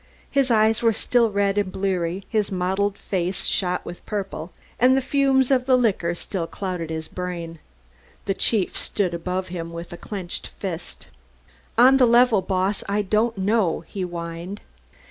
His eyes were still red and bleary, his motley face shot with purple, and the fumes of the liquor still clouded his brain. The chief stood above him with clenched fist. "On the level, Boss, I don't know," he whined.